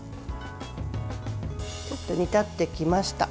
ちょっと煮立ってきました。